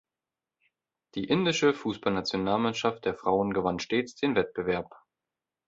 Die Indische Fußballnationalmannschaft der Frauen gewann stets den Wettbewerb.